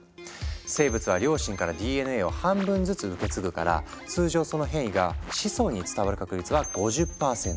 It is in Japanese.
生物は両親からＤＮＡを半分ずつ受け継ぐから通常その変異が子孫に伝わる確率は５０％。